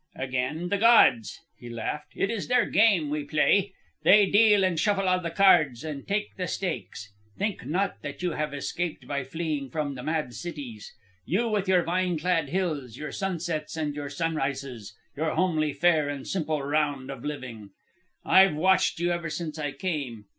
"Again the gods," he laughed. "It is their game we play. They deal and shuffle all the cards... and take the stakes. Think not that you have escaped by fleeing from the mad cities. You with your vine clad hills, your sunsets and your sunrises, your homely fare and simple round of living! "I've watched you ever since I came.